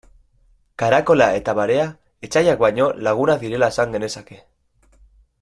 Karakola eta barea etsaiak baino lagunak direla esan genezake.